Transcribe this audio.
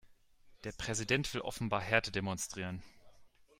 Der Präsident will offenbar Härte demonstrieren.